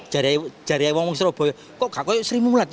jari jari orang orang di surabaya kok kakak seri mulat